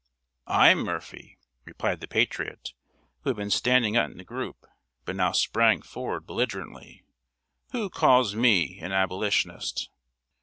"I'm Murphy," replied the patriot, who had been standing in the group, but now sprang forward belligerently. "Who calls me an Abolitionist?"